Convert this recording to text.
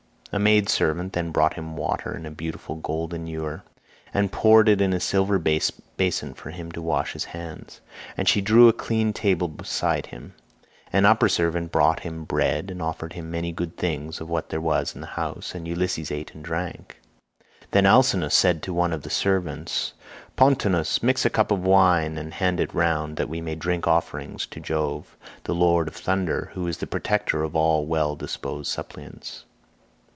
A maid servant then brought him water in a beautiful golden ewer and poured it into a silver basin for him to wash his hands, and she drew a clean table beside him; an upper servant brought him bread and offered him many good things of what there was in the house, and Ulysses ate and drank. Then Alcinous said to one of the servants, "Pontonous, mix a cup of wine and hand it round that we may make drink offerings to Jove the lord of thunder, who is the protector of all well disposed suppliants."